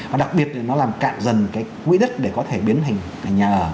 và đặc biệt là nó làm cạn dần cái quỹ đất để có thể biến hình nhà ở